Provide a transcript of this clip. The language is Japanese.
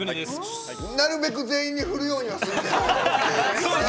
なるべく全員に振るようにはするけど。